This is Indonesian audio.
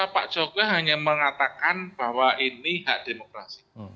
pak jokowi hanya mengatakan bahwa ini hak demokrasi